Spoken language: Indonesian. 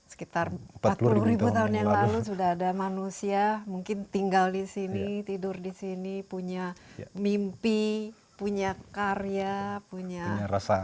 sekitar empat puluh ribu tahun yang lalu sudah ada manusia mungkin tinggal di sini tidur di sini punya mimpi punya karya punya rasa